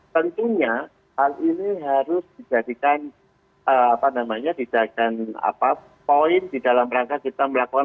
tentunya hal ini harus dijadikan desain poin di dalam rangka kita melakukan